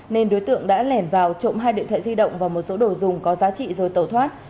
vào trộm hai điện thoại di động và một số đồ dùng có giá trị rồi tẩu thoát